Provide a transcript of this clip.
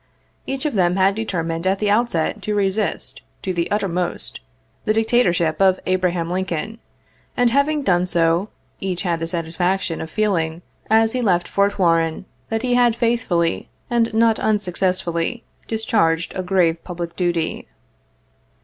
Each of them had determined at the outset to resist, to the utter most, the dictatorship of Abraham Lincoln, and having clone so, each had the satisfaction of feeling, as he left Fort Warren, that he had faithfully, and not unsuccessfully, dis charged a grave public duty.